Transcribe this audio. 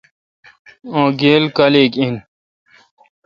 اں گیل کالیک این۔